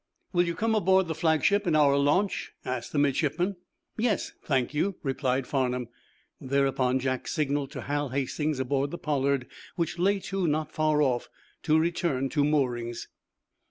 "Will you come aboard the flagship in our launch?" asked the midshipman. "Yes, thank you," replied Farnum. Thereupon Jack signaled to Hal Hastings, aboard the "Pollard," which lay to, not far off, to return to moorings.